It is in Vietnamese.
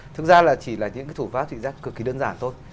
thực ra chỉ là những thủ pháp trị giác cực kỳ đơn giản thôi